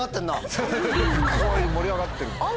すごい盛り上がってる。